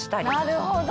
なるほど！